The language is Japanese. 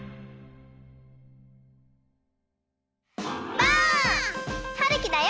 ばあっ！はるきだよ。